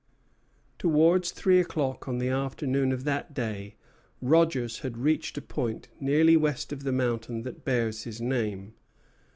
Towards three o'clock on the afternoon of that day Rogers had reached a point nearly west of the mountain that bears his name.